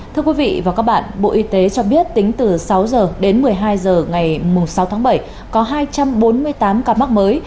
thưa quý vị và các bạn bộ y tế cho biết tính từ sáu h đến một mươi hai h ngày sáu tháng bảy có hai trăm bốn mươi tám ca mắc mới